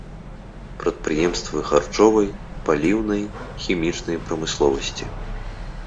Прадпрыемствы харчовай, паліўнай, хімічнай прамысловасці.